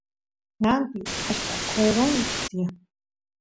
ñanpi achka qoronta tiyan